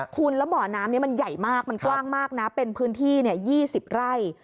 คุณแล้วบ่อน้ำนี้มันใหญ่มากมันกว้างมากนะเป็นพื้นที่๒๐ไร่